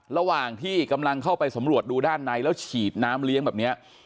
ระหว่างที่กำลังเข้าไปสำรวจดูด้านในแล้วฉีดน้ำเลี้ยงแบบนี้